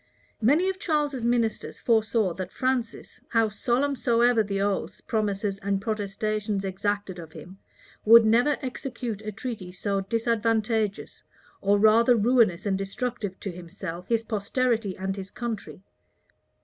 Many of Charles's ministers foresaw that Francis, how solemn soever the oaths, promises, and protestations exacted of him, never would execute a treaty so disadvantageous, or rather ruinous and destructive, to himself, his posterity, and his country.